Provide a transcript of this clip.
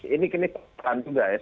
ini kan peran juga ya